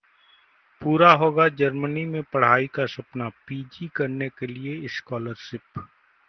पूरा होगा जर्मनी में पढ़ाई का सपना, पीजी करने के लिए स्कॉलरशिप